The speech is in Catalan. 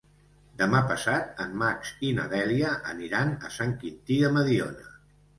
Demà passat en Max i na Dèlia aniran a Sant Quintí de Mediona.